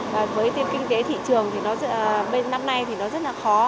với tiêu kinh tế thị trường bên năm nay thì nó rất là khó